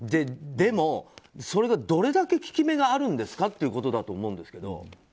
でも、それがどれだけ効き目があるんですかということだと思うんですけど。